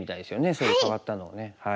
そういう変わったのをね。